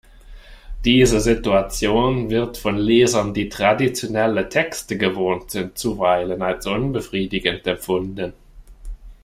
Diese Situation wird von Lesern, die traditionelle Texte gewohnt sind, zuweilen als unbefriedigend empfunden.